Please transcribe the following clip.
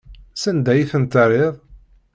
Sanda ay tent-terriḍ?